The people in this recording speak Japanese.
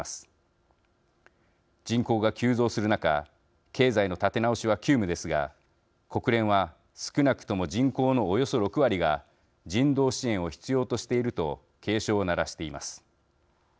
人口が急増する中経済の立て直しは急務ですが国連は少なくとも人口のおよそ６割が人道支援を必要としていると警鐘を鳴らしています。